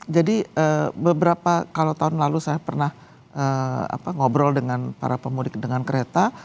jadi beberapa kalau tahun lalu saya pernah ngobrol dengan para pemudik dengan kereta